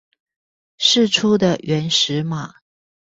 釋出的原始碼